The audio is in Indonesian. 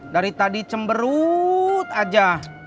dari tadi cemberut aja